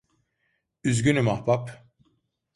Üzgünüm ahbap.